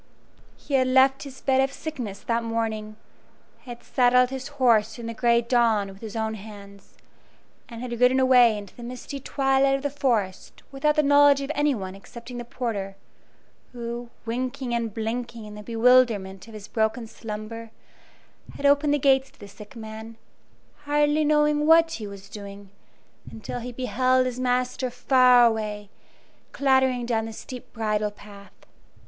He had left his bed of sickness that morning, had saddled his horse in the gray dawn with his own hands, and had ridden away into the misty twilight of the forest without the knowledge of anyone excepting the porter, who, winking and blinking in the bewilderment of his broken slumber, had opened the gates to the sick man, hardly knowing what he was doing, until he beheld his master far away, clattering down the steep bridle path.